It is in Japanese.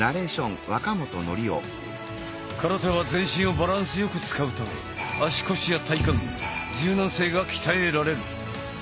空手は全身をバランスよく使うため足腰や体幹柔軟性が鍛えられる。